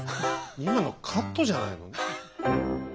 今のカットじゃないの？